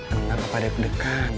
enak apa deg degan